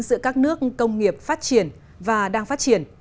giữa các nước công nghiệp phát triển và đang phát triển